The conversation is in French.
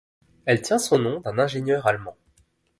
Elle tient son nom d'un ingénieur allemand.